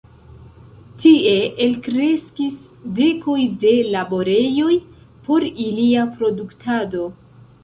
Tie elkreskis dekoj de laborejoj por ilia produktado.